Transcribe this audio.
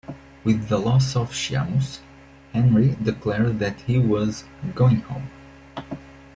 With the loss to Sheamus, Henry declared that he was "going home".